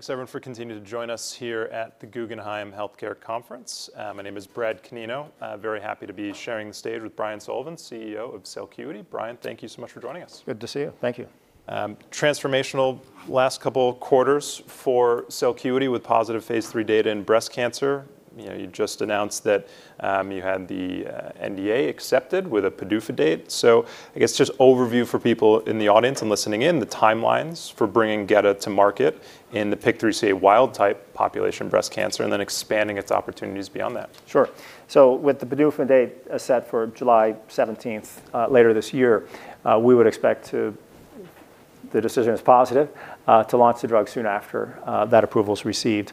Thanks, everyone, for continuing to join us here at the Guggenheim Healthcare Conference. My name is Brad Canino. Very happy to be sharing the stage with Brian Sullivan, CEO of Celcuity. Brian, thank you so much for joining us. Good to see you. Thank you. Transformational last couple of quarters for Celcuity with positive phase 3 data in breast cancer. You know, you just announced that you had the NDA accepted with a PDUFA date. So I guess just overview for people in the audience and listening in, the timelines for bringing gedatolisib to market in the PIK3CA wild-type population breast cancer, and then expanding its opportunities beyond that. Sure. So with the PDUFA date set for July seventeenth later this year, we would expect to the decision is positive to launch the drug soon after that approval is received.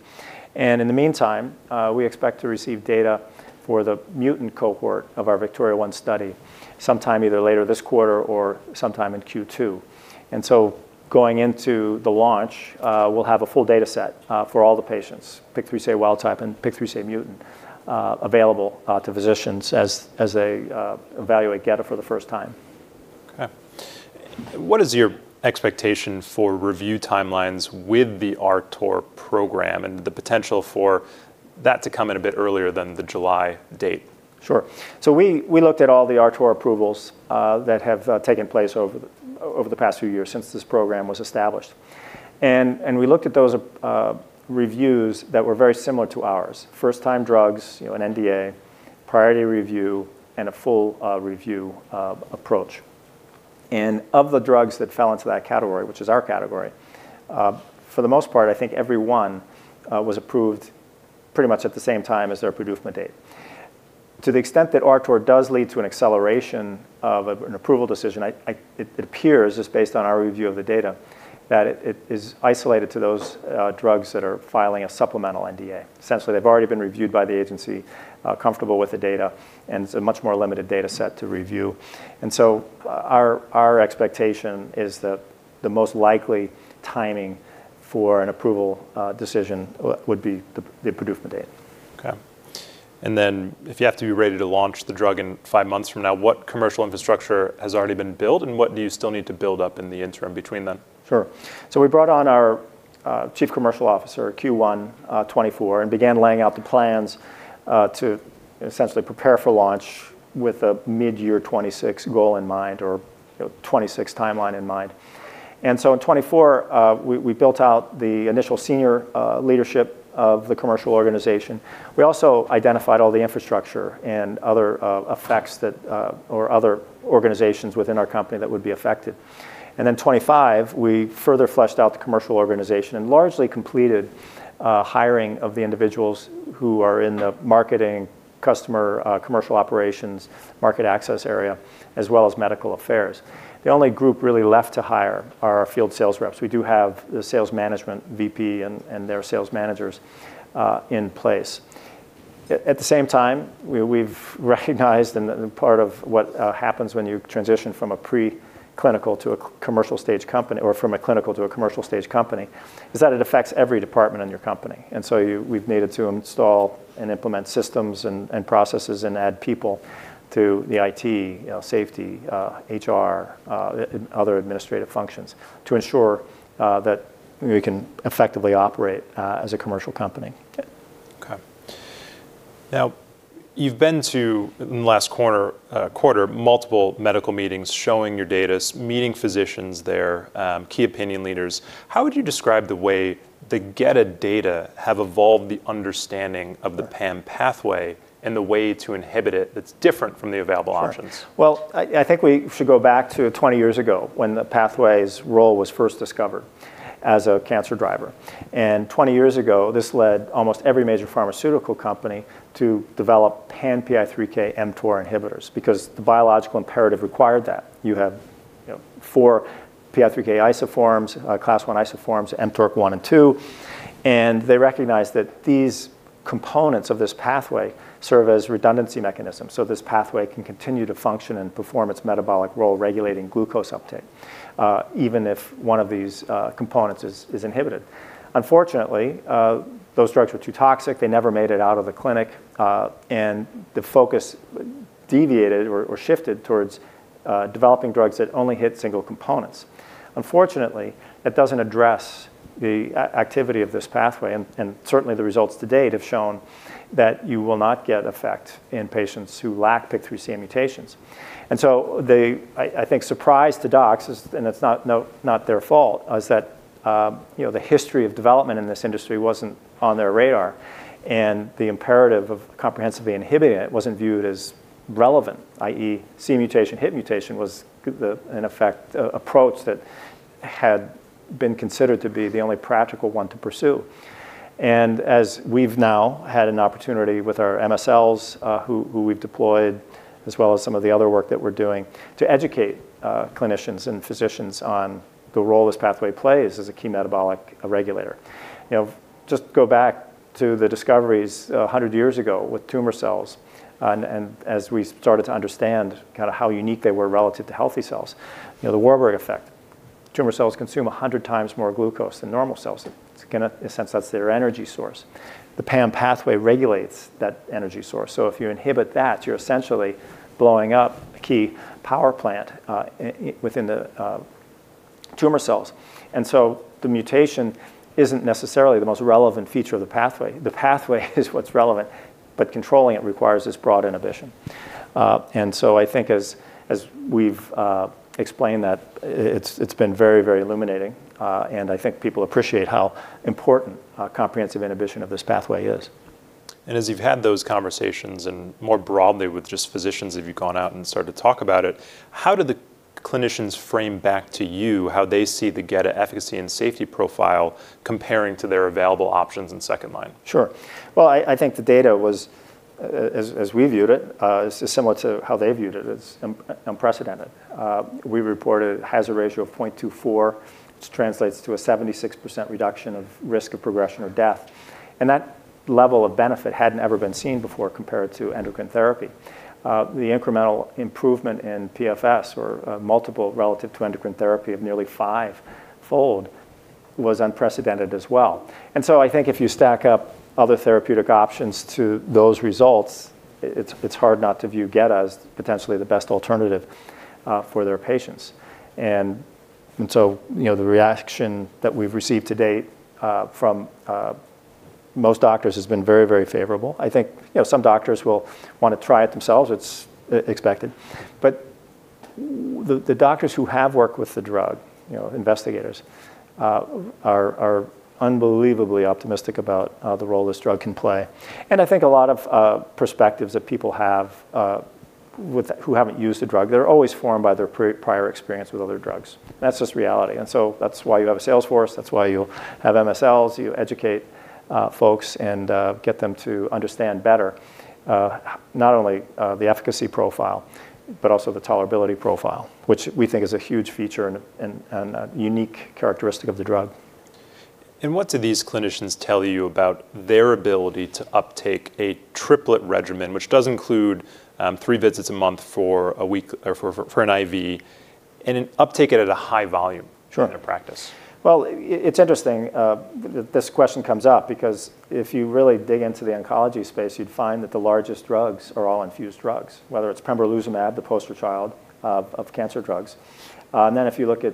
And in the meantime, we expect to receive data for the mutant cohort of our VIKTORIA-1 study, sometime either later this quarter or sometime in Q2. And so going into the launch, we'll have a full data set for all the patients, PIK3CA wild type and PIK3CA mutant, available to physicians as they evaluate geda for the first time. Okay. What is your expectation for review timelines with the RTOR program and the potential for that to come in a bit earlier than the July date? Sure. So we looked at all the RTOR approvals that have taken place over the past few years since this program was established. And we looked at those reviews that were very similar to ours: first-time drugs, you know, an NDA, priority review, and a full review approach. And of the drugs that fell into that category, which is our category, for the most part, I think every one was approved pretty much at the same time as their PDUFA date. To the extent that RTOR does lead to an acceleration of an approval decision, it appears, just based on our review of the data, that it is isolated to those drugs that are filing a supplemental NDA. Essentially, they've already been reviewed by the agency, comfortable with the data, and it's a much more limited data set to review. And so our expectation is that the most likely timing for an approval decision would be the PDUFA date. Okay. And then if you have to be ready to launch the drug in 5 months from now, what commercial infrastructure has already been built, and what do you still need to build up in the interim between then? Sure. So we brought on our Chief Commercial Officer Q1 2024, and began laying out the plans to essentially prepare for launch with a mid-year 2026 goal in mind, or, you know, 2026 timeline in mind. So in 2024, we built out the initial senior leadership of the commercial organization. We also identified all the infrastructure and other effects that, or other organizations within our company that would be affected. Then 2025, we further fleshed out the commercial organization and largely completed hiring of the individuals who are in the marketing, customer commercial operations, market access area, as well as medical affairs. The only group really left to hire are our field sales reps. We do have the sales management VP and their sales managers in place. At the same time, we've recognized, and part of what happens when you transition from a preclinical to a commercial-stage company, or from a clinical to a commercial-stage company, is that it affects every department in your company. And so we've needed to install and implement systems and processes and add people to the IT, you know, safety, HR, and other administrative functions to ensure that we can effectively operate as a commercial company. Okay. Now, you've been to, in the last quarter, quarter, multiple medical meetings, showing your data, meeting physicians there, key opinion leaders. How would you describe the way the gedatolisib data have evolved the understanding of the PAM pathway and the way to inhibit it that's different from the available options? Sure. Well, I think we should go back to 20 years ago, when the pathway's role was first discovered as a cancer driver. And 20 years ago, this led almost every major pharmaceutical company to develop pan-PI3K/mTOR inhibitors because the biological imperative required that. You have, you know, 4 PI3K isoforms, class I isoforms, mTORC1 and 2, and they recognized that these components of this pathway serve as redundancy mechanisms, so this pathway can continue to function and perform its metabolic role, regulating glucose uptake, even if one of these components is inhibited. Unfortunately, those drugs were too toxic. They never made it out of the clinic, and the focus deviated or shifted towards developing drugs that only hit single components. Unfortunately, that doesn't address the activity of this pathway, and certainly, the results to date have shown that you will not get effect in patients who lack PIK3CA mutations. And so the surprise to docs is, and it's not their fault, is that, you know, the history of development in this industry wasn't on their radar, and the imperative of comprehensively inhibiting it wasn't viewed as relevant, i.e., PIK3CA mutation, hit mutation was the, in effect, a approach that had been considered to be the only practical one to pursue. And as we've now had an opportunity with our MSLs, who we've deployed, as well as some of the other work that we're doing, to educate clinicians and physicians on the role this pathway plays as a key metabolic regulator. You know, just go back to the discoveries 100 years ago with tumor cells and as we started to understand kinda how unique they were relative to healthy cells. You know, the Warburg effect. Tumor cells consume 100 times more glucose than normal cells. It's gonna... In a sense, that's their energy source. The PAM pathway regulates that energy source, so if you inhibit that, you're essentially blowing up a key power plant within the tumor cells. And so the mutation isn't necessarily the most relevant feature of the pathway. The pathway is what's relevant, but controlling it requires this broad inhibition. And so I think as we've explained that, it's been very, very illuminating, and I think people appreciate how important comprehensive inhibition of this pathway is. As you've had those conversations, and more broadly with just physicians, have you gone out and started to talk about it, how do the clinicians frame back to you how they see the gedatolisib efficacy and safety profile comparing to their available options in second line? Sure. Well, I think the data was as we viewed it is similar to how they viewed it, as unprecedented. We reported a hazard ratio of 0.24, which translates to a 76% reduction of risk of progression or death, and that level of benefit hadn't ever been seen before compared to endocrine therapy. The incremental improvement in PFS or multiple relative to endocrine therapy of nearly 5-fold was unprecedented as well. And so I think if you stack up other therapeutic options to those results, it's hard not to view geda as potentially the best alternative for their patients. And so, you know, the reaction that we've received to date from most doctors has been very, very favorable. I think, you know, some doctors will want to try it themselves. It's expected. But the doctors who have worked with the drug, you know, investigators are unbelievably optimistic about the role this drug can play. And I think a lot of perspectives that people have who haven't used the drug, they're always formed by their prior experience with other drugs. That's just reality. And so that's why you have a sales force, that's why you have MSLs. You educate folks and get them to understand better not only the efficacy profile but also the tolerability profile, which we think is a huge feature and a unique characteristic of the drug. What do these clinicians tell you about their ability to uptake a triplet regimen, which does include 3 visits a month for a week or for an IV and then uptake it at a high volume? Sure... in their practice? Well, it's interesting that this question comes up because if you really dig into the oncology space, you'd find that the largest drugs are all infused drugs, whether it's pembrolizumab, the poster child of cancer drugs. And then if you look at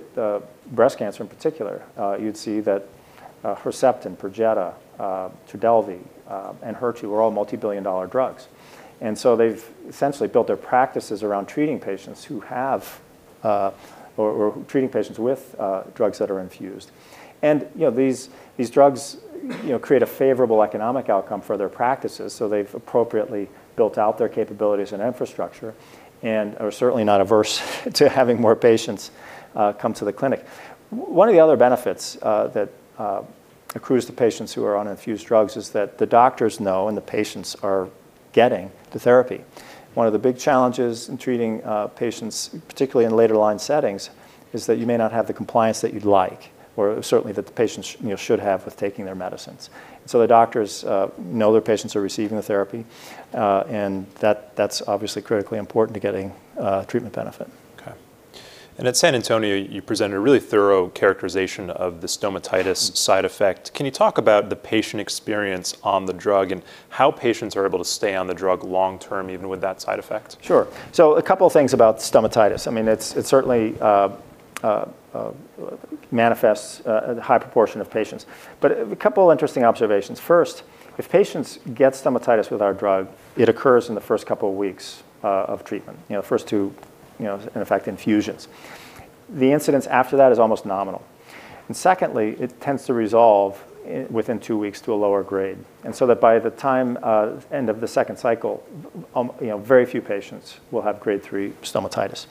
breast cancer in particular, you'd see that Herceptin, Perjeta, Trodelvy, and Enhertu are all multi-billion dollar drugs. And so they've essentially built their practices around treating patients who have or treating patients with drugs that are infused. And you know, these drugs you know create a favorable economic outcome for their practices, so they've appropriately built out their capabilities and infrastructure and are certainly not averse to having more patients come to the clinic. One of the other benefits that accrues to patients who are on infused drugs is that the doctors know and the patients are getting the therapy. One of the big challenges in treating patients, particularly in later line settings, is that you may not have the compliance that you'd like, or certainly that the patients, you know, should have with taking their medicines. So the doctors know their patients are receiving the therapy, and that that's obviously critically important to getting treatment benefit. Okay. At San Antonio, you presented a really thorough characterization of the stomatitis side effect. Can you talk about the patient experience on the drug and how patients are able to stay on the drug long-term, even with that side effect? Sure. So a couple of things about stomatitis. I mean, it's it certainly manifests in a high proportion of patients. But a couple of interesting observations. First, if patients get stomatitis with our drug, it occurs in the first couple of weeks of treatment. You know, first two, you know, in effect, infusions. The incidence after that is almost nominal, and secondly, it tends to resolve it within two weeks to a lower grade. And so that by the time end of the second cycle, you know, very few patients will have grade three stomatitis.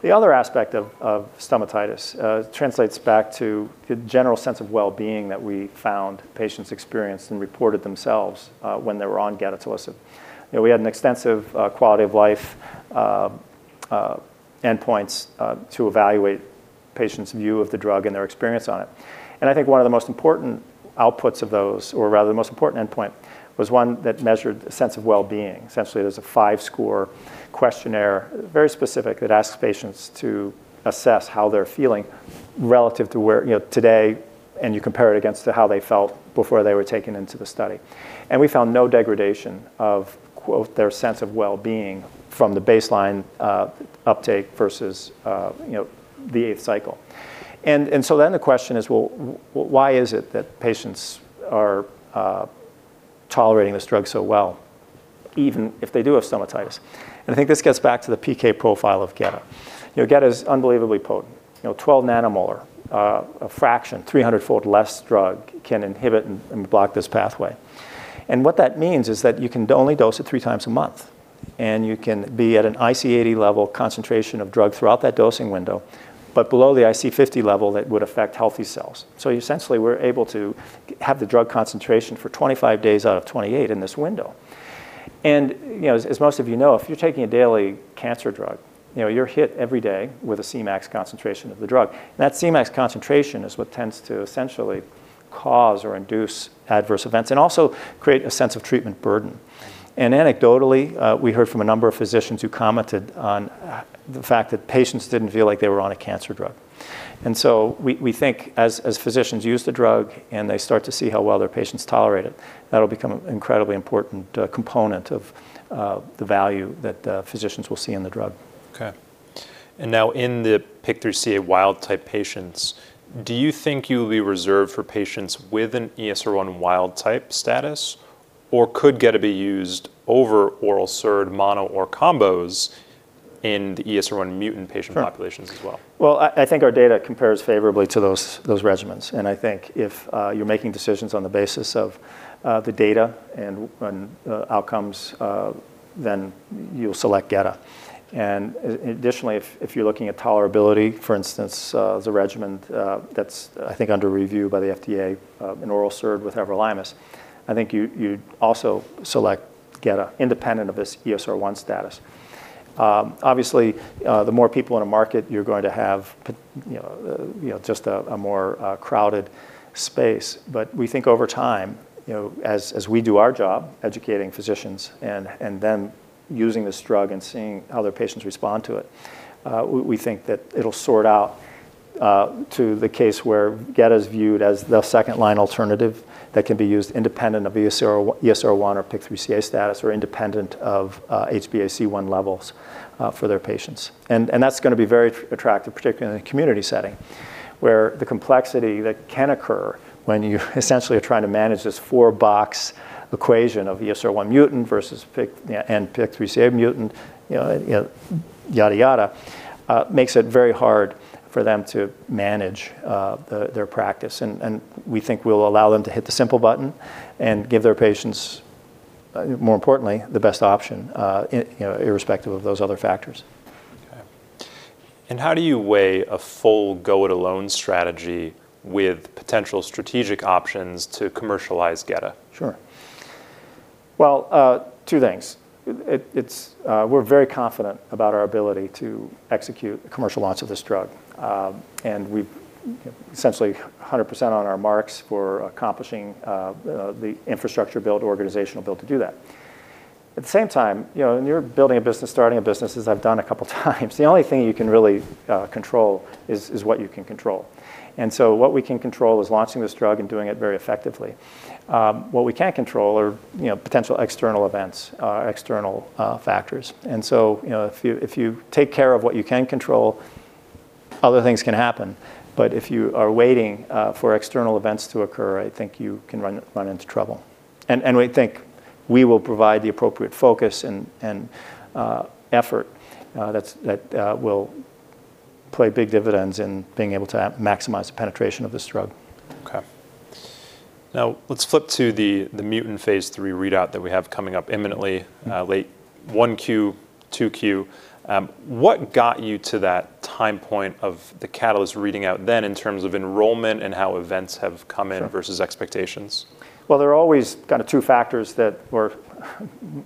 The other aspect of stomatitis translates back to the general sense of well-being that we found patients experienced and reported themselves when they were on gedatolisib. You know, we had an extensive quality of life endpoints to evaluate patients' view of the drug and their experience on it. And I think one of the most important outputs of those, or rather the most important endpoint, was one that measured sense of well-being. Essentially, there's a 5-score questionnaire, very specific, that asks patients to assess how they're feeling relative to where... you know, today, and you compare it against to how they felt before they were taken into the study. And we found no degradation of, quote, "their sense of well-being" from the baseline uptake versus, you know, the eighth cycle. And so then the question is, well, why is it that patients are tolerating this drug so well, even if they do have stomatitis? And I think this gets back to the PK profile of geda. You know, gedatolisib is unbelievably potent. You know, 12 nanomolar, a fraction, 300-fold less drug can inhibit and block this pathway. And what that means is that you can only dose it 3 times a month, and you can be at an IC80 level concentration of drug throughout that dosing window, but below the IC50 level, that would affect healthy cells. So you essentially were able to have the drug concentration for 25 days out of 28 in this window. And, you know, as most of you know, if you're taking a daily cancer drug, you know, you're hit every day with a Cmax concentration of the drug. That Cmax concentration is what tends to essentially cause or induce adverse events and also create a sense of treatment burden. Anecdotally, we heard from a number of physicians who commented on the fact that patients didn't feel like they were on a cancer drug. So we think as physicians use the drug and they start to see how well their patients tolerate it, that'll become an incredibly important component of the value that physicians will see in the drug. Now in the PIK3CA wild-type patients, do you think you will be reserved for patients with an ESR1 wild-type status? Or could get to be used over oral SERD mono or combos in the ESR1 mutant patient populations? Sure -as well? Well, I think our data compares favorably to those regimens. And I think if you're making decisions on the basis of the data and outcomes, then you'll select Geda. And additionally, if you're looking at tolerability, for instance, the regimen that's, I think, under review by the FDA, an oral SERD with everolimus, I think you'd also select Geta independent of this ESR1 status. Obviously, the more people in a market, you're going to have you know, you know, just a more crowded space. But we think over time, you know, as we do our job educating physicians and then using this drug and seeing how their patients respond to it, we think that it'll sort out to the case where gedatolisib is viewed as the second-line alternative that can be used independent of ESR1, ESR1 or PIK3CA status, or independent of HbA1c levels for their patients. That's gonna be very attractive, particularly in a community setting, where the complexity that can occur when you essentially are trying to manage this four-box equation of ESR1 mutant versus PIK- yeah, and PIK3CA mutant, you know, you know, yada, yada, makes it very hard for them to manage their practice. We think we'll allow them to hit the simple button and give their patients, more importantly, the best option, you know, irrespective of those other factors. Okay. And how do you weigh a full go-it-alone strategy with potential strategic options to commercialize gedatolisib? Sure. Well, two things. We're very confident about our ability to execute the commercial launch of this drug. And we've essentially 100% on our marks for accomplishing the infrastructure build, organizational build to do that. At the same time, you know, when you're building a business, starting a business, as I've done a couple times, the only thing you can really control is what you can control. And so what we can control is launching this drug and doing it very effectively. What we can't control are, you know, potential external events, or external factors. And so, you know, if you take care of what you can control, other things can happen. But if you are waiting for external events to occur, I think you can run into trouble. We think we will provide the appropriate focus and effort that will play big dividends in being able to maximize the penetration of this drug. Okay. Now, let's flip to the mutant phase 3 readout that we have coming up imminently. late 1Q, 2Q. What got you to that time point of the catalyst reading out then, in terms of enrollment and how events have come in- Sure -versus expectations? Well, there are always kind of two factors that... or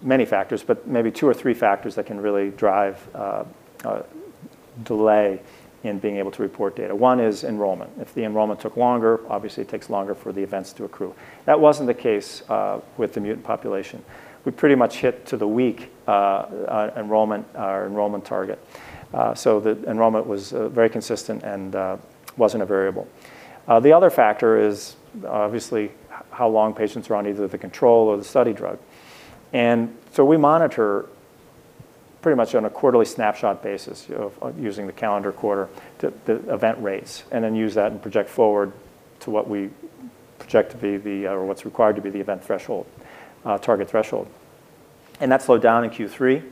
many factors, but maybe two or three factors that can really drive a delay in being able to report data. One is enrollment. If the enrollment took longer, obviously it takes longer for the events to accrue. That wasn't the case with the mutant population. We pretty much hit to the week our enrollment target. So the enrollment was very consistent and wasn't a variable. The other factor is obviously how long patients are on either the control or the study drug. And so we monitor pretty much on a quarterly snapshot basis, you know, of using the calendar quarter, the event rates, and then use that and project forward to what we project to be or what's required to be the event threshold target threshold. And that slowed down in Q3.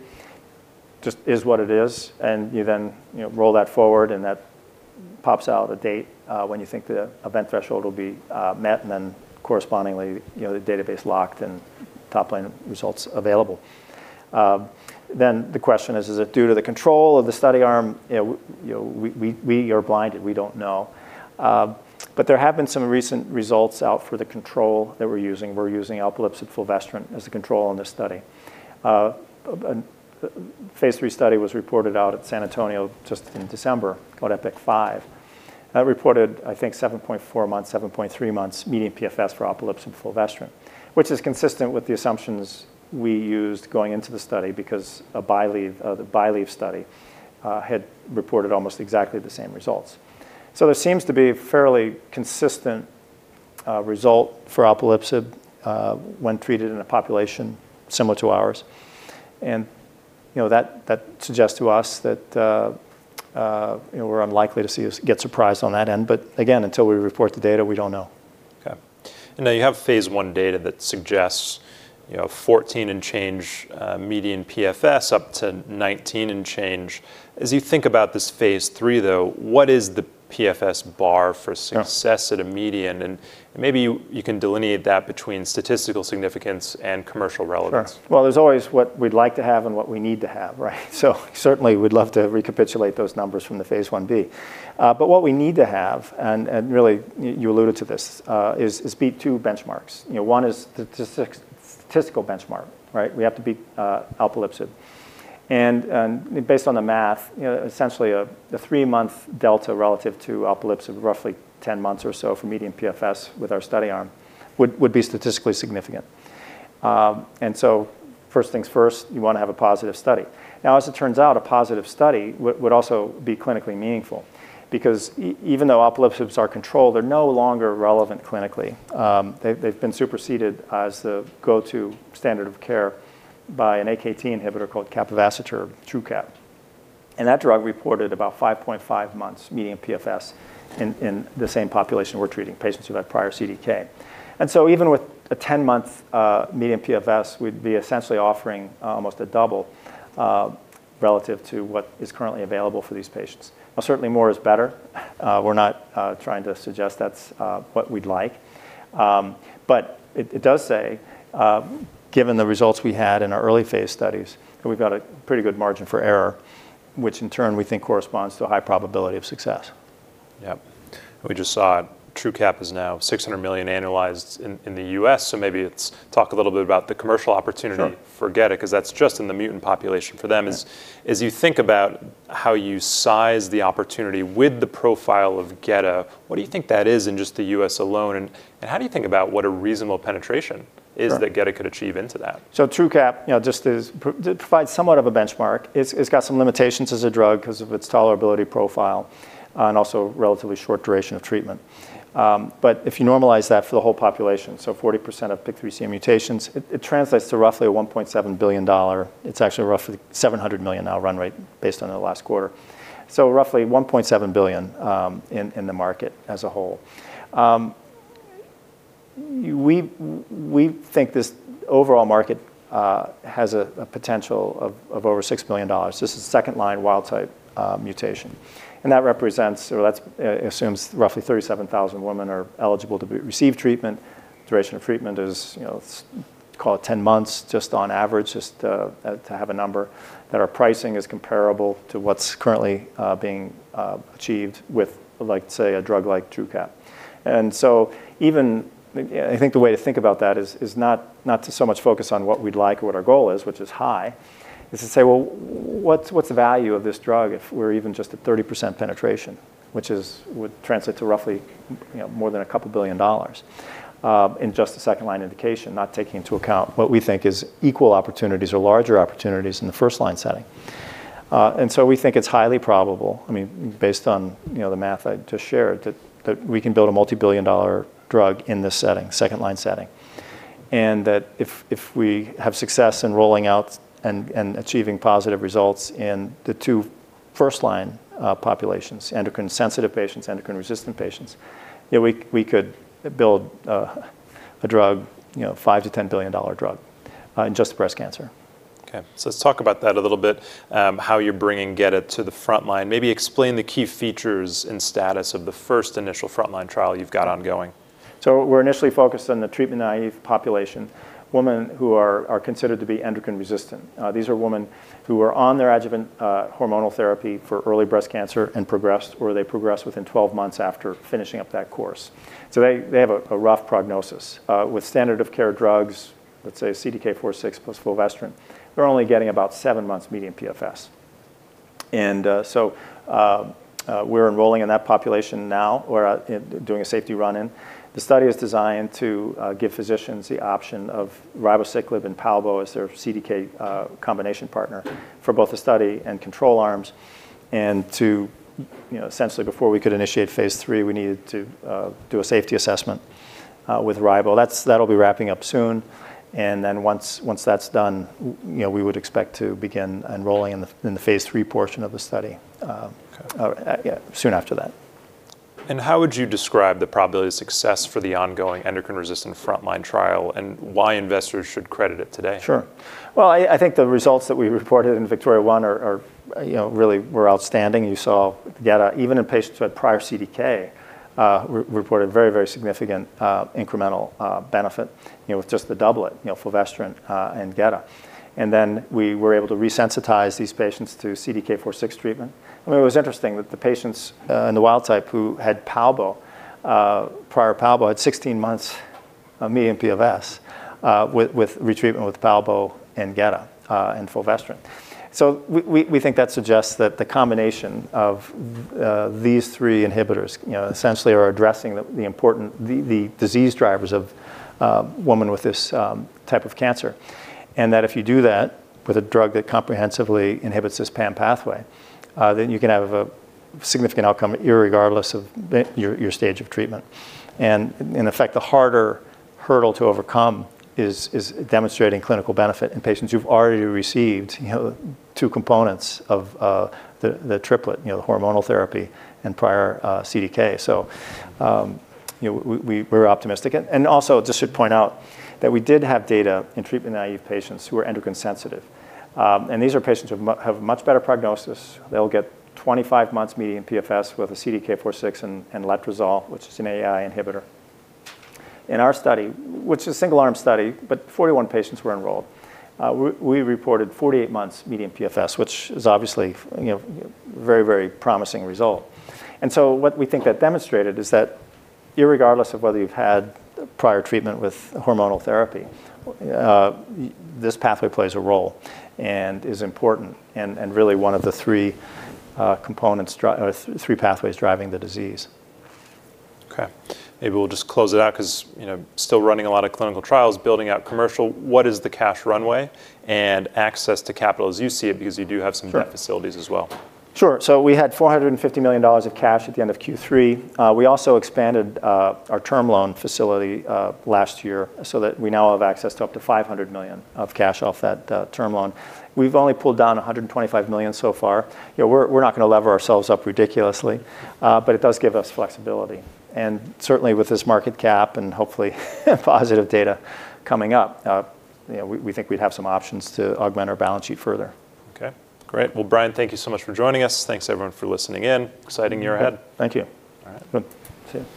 Just is what it is, and you then, you know, roll that forward, and that pops out a date when you think the event threshold will be met, and then correspondingly, you know, the database locked and top-line results available. Then the question is: Is it due to the control of the study arm? You know, we are blinded, we don't know. But there have been some recent results out for the control that we're using. We're using alpelisib fulvestrant as a control in this study. And the phase 3 study was reported out at San Antonio just in December, called EPIK-B5. That reported, I think, 7.4 months, 7.3 months median PFS for alpelisib and fulvestrant, which is consistent with the assumptions we used going into the study because a BYLieve, the BYLieve study, had reported almost exactly the same results. So there seems to be a fairly consistent result for alpelisib when treated in a population similar to ours. And, you know, that, that suggests to us that, you know, we're unlikely to see or get surprised on that end. But again, until we report the data, we don't know. Okay. Now you have phase 1 data that suggests, you know, 14 and change, median PFS up to 19 and change. As you think about this phase 3, though, what is the PFS bar for- Sure success at a median? And maybe you, you can delineate that between statistical significance and commercial relevance. Sure. Well, there's always what we'd like to have and what we need to have, right? So certainly, we'd love to recapitulate those numbers from the Phase 1b. But what we need to have, and really, you alluded to this, is beat two benchmarks. You know, one is the statistical benchmark, right? We have to beat alpelisib. And based on the math, you know, essentially a three-month delta relative to alpelisib, roughly 10 months or so for median PFS with our study arm, would be statistically significant. And so first things first, you want to have a positive study. Now, as it turns out, a positive study would also be clinically meaningful... because even though alpelisib are controlled, they're no longer relevant clinically. They've been superseded as the go-to standard of care by an AKT inhibitor called capivasertib, Truqap. And that drug reported about 5.5 months median PFS in the same population we're treating, patients who had prior CDK. And so even with a 10-month median PFS, we'd be essentially offering almost a double relative to what is currently available for these patients. Well, certainly, more is better. We're not trying to suggest that's what we'd like. But it does say, given the results we had in our early phase studies, that we've got a pretty good margin for error, which in turn we think corresponds to a high probability of success. Yeah. We just saw Truqap is now $600 million annualized in the U.S., so maybe let's talk a little bit about the commercial opportunity- Sure - for gedatolisib, 'cause that's just in the mutant population for them. Yeah. As you think about how you size the opportunity with the profile of gedatolisib, what do you think that is in just the U.S. alone? And how do you think about what a reasonable penetration- Sure... is that gedatolisib could achieve into that? So Truqap, you know, just provides somewhat of a benchmark. It's got some limitations as a drug 'cause of its tolerability profile, and also relatively short duration of treatment. But if you normalize that for the whole population, so 40% of PIK3CA mutations, it translates to roughly a $1.7 billion... It's actually roughly $700 million now run rate based on the last quarter. So roughly $1.7 billion in the market as a whole. We think this overall market has a potential of over $6 billion. This is second-line wild type mutation, and that represents, or that's, assumes roughly 37,000 women are eligible to receive treatment. Duration of treatment is, you know, call it 10 months, just on average, just, to have a number, that our pricing is comparable to what's currently being achieved with, like, say, a drug like Truqap. And so even, I think the way to think about that is, is not, not to so much focus on what we'd like or what our goal is, which is high, is to say, "Well, what's, what's the value of this drug if we're even just at 30% penetration?" Which is- would translate to roughly, you know, more than $2 billion in just the second-line indication, not taking into account what we think is equal opportunities or larger opportunities in the first-line setting. and so we think it's highly probable, I mean, based on, you know, the math I just shared, that we can build a multi-billion dollar drug in this setting, second line setting. And that if we have success in rolling out and achieving positive results in the two first line populations, endocrine sensitive patients, endocrine resistant patients, yeah, we could build a drug, you know, $5-$10 billion drug, in just breast cancer. Okay, so let's talk about that a little bit, how you're bringing gedatolisib to the front line. Maybe explain the key features and status of the first initial front-line trial you've got ongoing. So we're initially focused on the treatment-naive population, women who are considered to be endocrine resistant. These are women who are on their adjuvant hormonal therapy for early breast cancer and progressed, or they progressed within 12 months after finishing up that course. So they have a rough prognosis. With standard of care drugs, let's say CDK4/6 plus fulvestrant, they're only getting about 7 months median PFS. So we're enrolling in that population now. We're doing a safety run-in. The study is designed to give physicians the option of Ribociclib and Palbo as their CDK combination partner for both the study and control arms, and to, you know, essentially, before we could initiate phase III, we needed to do a safety assessment with Ribo. That'll be wrapping up soon, and then once that's done, you know, we would expect to begin enrolling in the phase 3 portion of the study. Okay... yeah, soon after that. How would you describe the probability of success for the ongoing endocrine-resistant frontline trial, and why investors should credit it today? Sure. Well, I think the results that we reported in VIKTORIA-1 are, you know, really were outstanding. You saw geda, even in patients who had prior CDK reported very, very significant incremental benefit, you know, with just the doublet, you know, fulvestrant and geda. And then we were able to resensitize these patients to CDK4/6 treatment. I mean, it was interesting that the patients in the wild type who had Palbo prior Palbo had 16 months of median PFS with retreatment with Palbo and geda and fulvestrant. So we think that suggests that the combination of these three inhibitors, you know, essentially are addressing the important the disease drivers of women with this type of cancer. That if you do that with a drug that comprehensively inhibits this PAM pathway, then you can have a significant outcome irregardless of the stage of treatment. And in effect, the harder hurdle to overcome is demonstrating clinical benefit in patients who've already received, you know, two components of the triplet, you know, the hormonal therapy and prior CDK. So, you know, we're optimistic. And also, just to point out, that we did have data in treatment-naive patients who were endocrine sensitive. And these are patients who have much better prognosis. They'll get 25 months median PFS with a CDK4/6 and letrozole, which is an AI inhibitor. In our study, which is a single-arm study, but 41 patients were enrolled, we reported 48 months median PFS, which is obviously, you know, very, very promising result. And so what we think that demonstrated is that irregardless of whether you've had prior treatment with hormonal therapy, this pathway plays a role and is important and, and really one of the three, components, three pathways driving the disease. Okay. Maybe we'll just close it out, 'cause, you know, still running a lot of clinical trials, building out commercial, what is the cash runway and access to capital as you see it? Because you do have some- Sure... facilities as well. Sure. So we had $450 million of cash at the end of Q3. We also expanded our term loan facility last year, so that we now have access to up to $500 million of cash off that term loan. We've only pulled down $125 million so far. You know, we're, we're not gonna lever ourselves up ridiculously, but it does give us flexibility. And certainly, with this market cap and hopefully positive data coming up, you know, we, we think we'd have some options to augment our balance sheet further. Okay, great. Well, Brian, thank you so much for joining us. Thanks, everyone, for listening in. Exciting year ahead. Thank you. All right. Good. See you.